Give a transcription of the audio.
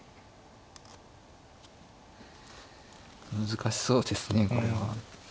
難しそうですねこれは。うん。